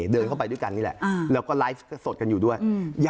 เดินเข้าไปด้วยกันนี่แหละแล้วก็ไลฟ์สดกันอยู่ด้วย